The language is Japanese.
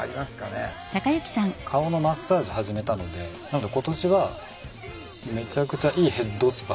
顔のマッサージ始めたのでなので今年はめちゃくちゃいいヘッドスパ。